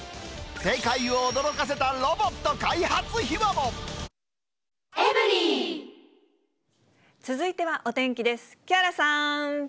世界を驚かせたロボット開発続いてはお天気です。